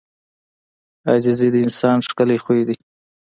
• عاجزي د انسان ښکلی خوی دی.